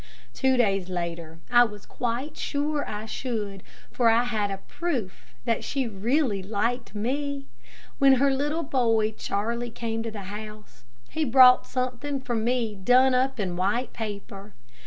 Two days later I was quite sure I should, for I had a proof that she really liked me. When her little boy Charlie came to the house, he brought something for me done up in white paper.